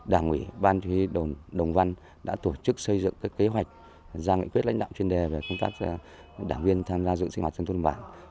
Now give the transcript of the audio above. đảng ủy ban thủy đồng văn đã tổ chức xây dựng kế hoạch ra nghị quyết lãnh đạo chuyên đề về công tác đảng viên tham gia dự sinh hoạt trong thôn bản